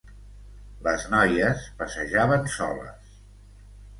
Les noies passejaven soles.